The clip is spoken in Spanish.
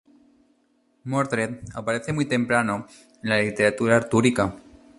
Mordred aparece muy temprano en la literatura artúrica.